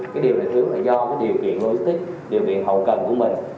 cái điều này thiếu là do cái điều kiện logistic điều kiện hậu cần của mình